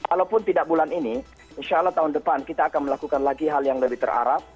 walaupun tidak bulan ini insya allah tahun depan kita akan melakukan lagi hal yang lebih teraraf